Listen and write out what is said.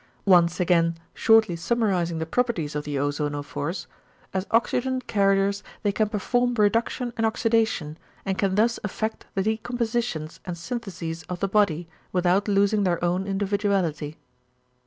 Once again, shortly summarising the properties of the ozonophores; as oxygen carriers they can perform reduction and oxydation, and can thus effect the decompositions and syntheses of the body, without losing their own individuality."